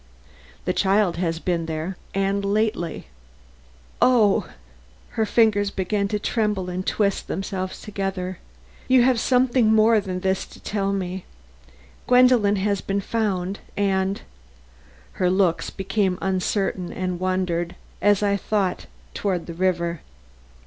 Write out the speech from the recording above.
"The child has been there and lately." "Oh!" her fingers began to tremble and twist themselves together. "You have something more than this to tell me. Gwendolen has been found and " her looks became uncertain and wandered, as I thought, toward the river.